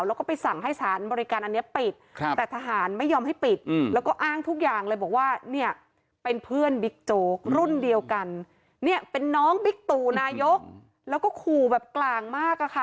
แล้วก็ไปสั่งให้สารบริการอันนี้ปิดแต่ทหารไม่ยอมให้ปิดแล้วก็อ้างทุกอย่างเลยบอกว่าเนี่ยเป็นเพื่อนบิ๊กโจ๊กรุ่นเดียวกันเนี่ยเป็นน้องบิ๊กตู่นายกแล้วก็ขู่แบบกลางมากอะค่ะ